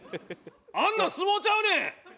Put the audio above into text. あんなん相撲ちゃうねん！